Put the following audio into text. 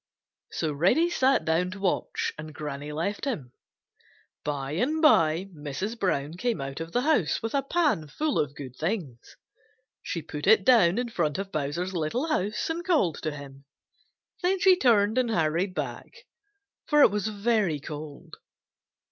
So Reddy sat down to watch, and Granny left him. By and by Mrs. Brown came out of the house with a pan full of good things. She put it down in front of Bowser's little house and called to him. Then she turned and hurried back, for it was very cold.